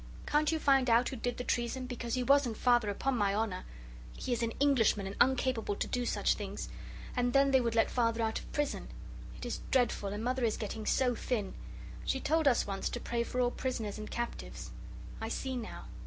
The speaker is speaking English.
Can't you find out who did the treason because he wasn't Father upon my honour; he is an Englishman and uncapable to do such things, and then they would let Father out of prison. It is dreadful, and Mother is getting so thin. She told us once to pray for all prisoners and captives. I see now.